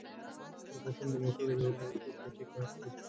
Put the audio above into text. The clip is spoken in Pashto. روبوټونه د موټرو د جوړولو په فابریکو کې دقیق کار کوي.